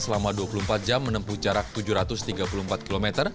selama dua puluh empat jam menempuh jarak tujuh ratus tiga puluh empat km